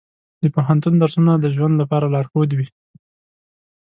د پوهنتون درسونه د ژوند لپاره لارښود وي.